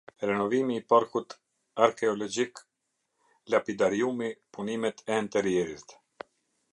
Renovimi i parkut arkeologjiklapidariumi-punimet e enterierit